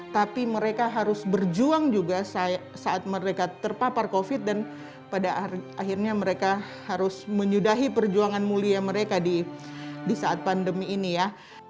tapi mereka harus berjuang juga saat mereka terpapar covid dan pada akhirnya mereka harus menyudahi perjuangan mulia mereka di saat pandemi ini ya